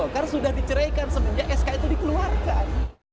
karena sudah diceraikan semenjak sk itu dikeluarkan